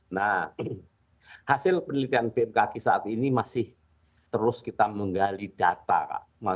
nah hasil penelitian bmpkh saat ini masih terus kita menggali data kak